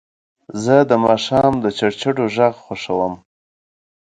زه د ماښام چړچړ غږ خوښوم.